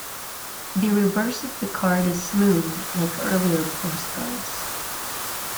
The reverse of the card is smooth, like earlier postcards.